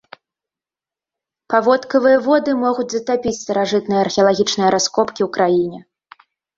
Паводкавыя воды могуць затапіць старажытныя археалагічныя раскопкі ў краіне.